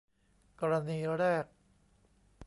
กรณีแรก